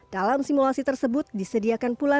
dalam simulasi tersebut petugas kpps juga mencoblos suara